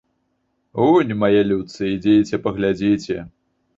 Унь, мае людцы, ідзіце, паглядзіце!